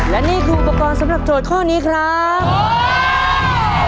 และนี่คืออุปกรณ์สำหรับโจทย์ข้อนี้ครับ